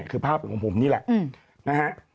คือภาพของผมนี่แหละ